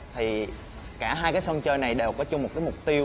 thì cả hai cái sân chơi này đều có chung một cái mục tiêu